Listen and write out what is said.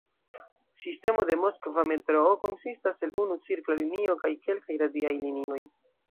Sistemo de Moskva metroo konsistas el unu cirkla linio kaj kelkaj radiaj linioj.